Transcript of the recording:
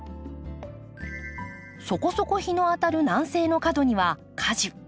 そこそこ日の当たる南西の角には果樹。